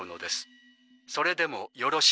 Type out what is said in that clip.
それでもよろしいですか？